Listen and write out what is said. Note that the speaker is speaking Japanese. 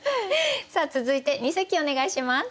さあ続いて二席お願いします。